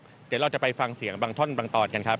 เดี๋ยวเราจะไปฟังเสียงบางท่อนบางตอนกันครับ